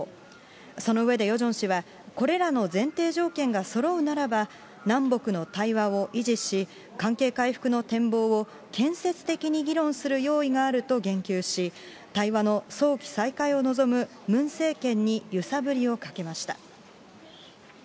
その上でヨジョン氏は、これらの前提条件がそろうならば、南北の対話を維持し、関係回復の展望を建設的に議論する用意があると言及し、対話の早期再開を望むムン政権に揺さぶりをかけました。